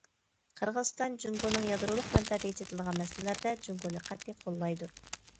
قىرغىزىستان جۇڭگونىڭ يادرولۇق مەنپەئەتىگە چېتىلىدىغان مەسىلىلەردە جۇڭگونى قەتئىي قوللايدۇ.